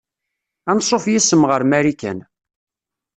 Anṣuf yes-m ɣer Marikan.